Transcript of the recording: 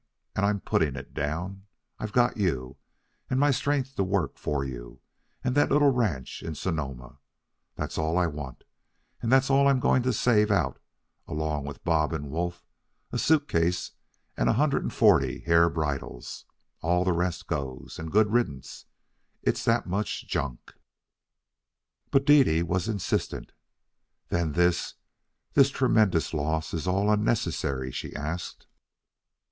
And I'm putting it down. I've got you, and my strength to work for you, and that little ranch in Sonoma. That's all I want, and that's all I'm going to save out, along with Bob and Wolf, a suit case and a hundred and forty hair bridles. All the rest goes, and good riddance. It's that much junk." But Dede was insistent. "Then this this tremendous loss is all unnecessary?" she asked.